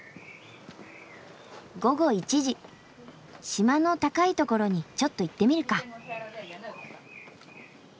島の高いところにちょっと行ってみるか。